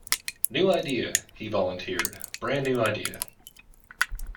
New idea, he volunteered, brand new idea.